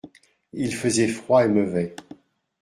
Il faisait froid et mauvais.